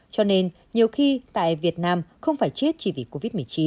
cho nên nhiều khi tại việt nam không phải chết chỉ vì covid một mươi chín